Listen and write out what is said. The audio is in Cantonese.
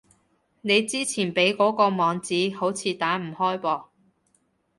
你之前畀嗰個網址，好似打唔開噃